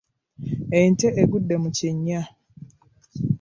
Ente egudde mu kinnya.